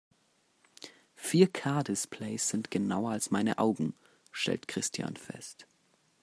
"Vier-K-Displays sind genauer als meine Augen", stellt Christian fest.